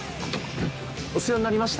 お世話になりました。